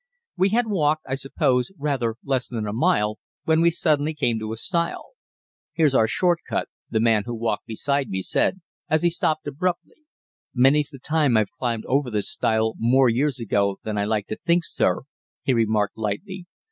We had walked, I suppose, rather less than a mile, when we suddenly came to a stile. "Here's our short cut," the man who walked beside me said, as he stopped abruptly. "Many's the time I've climbed over this stile more years ago than I like to think, sir," he remarked lightly.